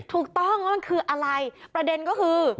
ถูกต้องว่ามันคืออะไรประเด็นก็คือ